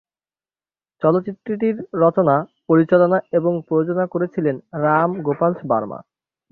চলচ্চিত্রটির রচনা, পরিচালনা এবং প্রযোজনা করেছিলেন রাম গোপাল বার্মা।